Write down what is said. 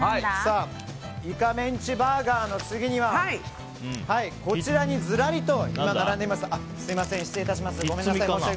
イカメンチバーガーの次はこちらにずらりと並んでいます。